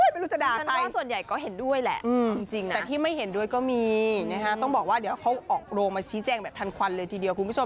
ไม่รู้จะด่าใครส่วนใหญ่ก็เห็นด้วยแหละแต่ที่ไม่เห็นด้วยก็มีนะฮะต้องบอกว่าเดี๋ยวเขาออกโรงมาชี้แจงแบบทันควันเลยทีเดียวคุณผู้ชม